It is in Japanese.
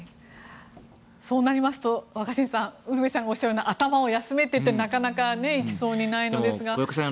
そうなりますと若新さんウルヴェさんがおっしゃる頭を休ませるってなかなかいけそうではないですが。